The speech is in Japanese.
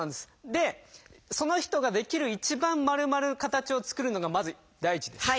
でその人ができる一番丸まる形を作るのがまず第一です。